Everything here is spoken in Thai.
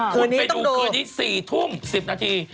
คุณไปดูคืนนี้๔ทุ่ม๑๐นาที